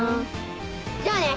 じゃあね！